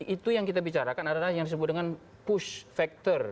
itu yang kita bicarakan adalah yang disebut dengan push factor